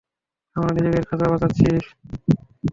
আমরা নিজেদের বাঁচাচ্ছি।